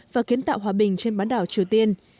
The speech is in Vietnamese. và kiến tạo hòa bình trên bán đảo triều tiên